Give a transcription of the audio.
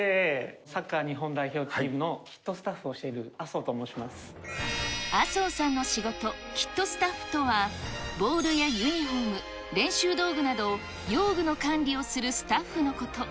サッカー日本代表チームのキットスタッフをしている麻生と申しま麻生さんの仕事、キットスタッフとは、ボールやユニホーム、練習道具など用具の管理をするスタッフのこと。